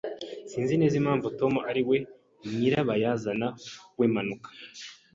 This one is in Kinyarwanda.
Sinzi neza impamvu Tom ari we nyirabayazana w'impanuka.